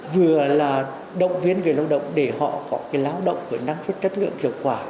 vừa là động viên người lao động để họ có cái lao động với năng suất chất lượng hiệu quả